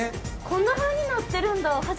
こんなふうになってるんだ。